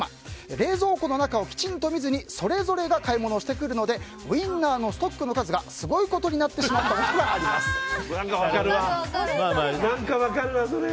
冷蔵庫の中をきちんと見ずにそれぞれが買い物をしてくるのでウィンナーのストックの数がすごいことになってしまうことが何か分かるな、それ。